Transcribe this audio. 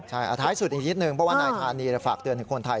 ใช่เอาท้ายสุดอีกนิดนึงเพราะว่านายธานีฝากเตือนถึงคนไทย